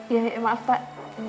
ya maaf pak